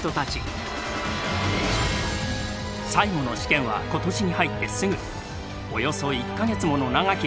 最後の試験は今年に入ってすぐおよそ１か月もの長きにわたり行われた。